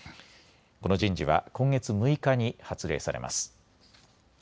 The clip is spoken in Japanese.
この人事は今月６日に発令されます。